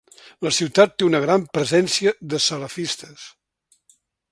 La ciutat té una gran presència de salafistes.